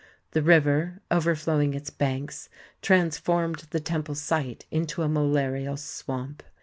The river, overflowing its banks, transformed the temple site into a malarial swamp.